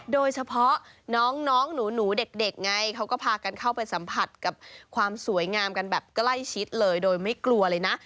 โดยเฉพาะน้องหนูเด็กไงเขาก็พากันเข้าไปสัมผัสกับความสวยงามกันแบบใกล้ชิดเลยโดยไม่กลัวเลยนะ